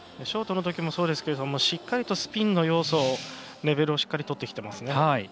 ショートのときもそうですけどもしっかりとスピンの要素レベルをとってきていますね。